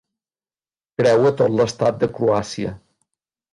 Creua tot l'estat de Croàcia.